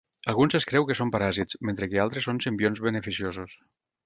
Alguns es creu que són paràsits, mentre que altres són simbionts beneficiosos.